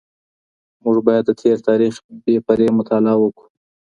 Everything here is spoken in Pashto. موږ بايد د تېر تاريخ بې پرې مطالعه وکړو.